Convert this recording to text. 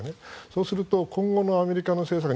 そうすると今後のアメリカの政策